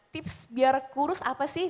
tips biar kurus apa sih